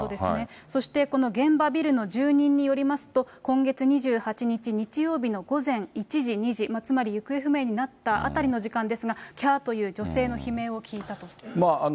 そしてこの現場ビルの住人によりますと、今月２８日日曜日の午前１時、２時、つまり行方不明になったあたりの時間ですが、きゃーという女性の悲鳴を聞いたと。